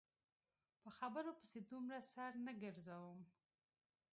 په خبرو پسې دومره سر نه ګرځوم.